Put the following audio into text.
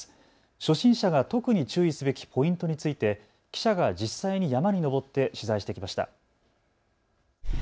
初心者が特に注意すべきポイントについて記者が実際に山に登って取材してきました。